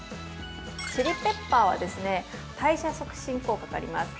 ◆チリペッパーは、代謝促進効果があります。